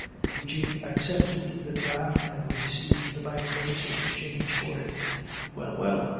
Eugene accepted the draft, and received the banknotes in exchange for it. "Well, well.